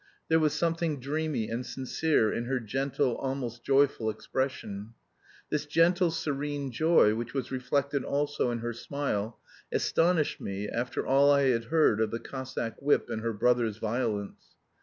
There was something dreamy and sincere in her gentle, almost joyful, expression. This gentle serene joy, which was reflected also in her smile, astonished me after all I had heard of the Cossack whip and her brother's violence.